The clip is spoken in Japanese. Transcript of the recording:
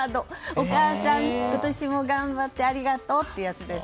お母さん、今年も頑張ってくれてありがとうというやつです。